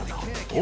お！